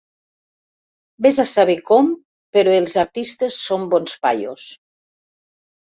Vés a saber com, però els artistes són bons paios.